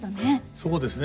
そうですね。